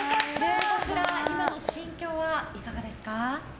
今の心境はいかがですか？